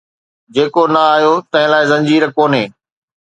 جيڪو نه آيو، تنهن لاءِ زنجير ڪونهي